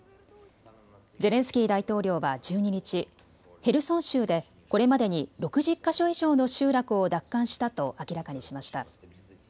ゼレンスキー大統領は１２日、ヘルソン州でこれまでに６０か所以上の集落を奪還したと明らかにしました。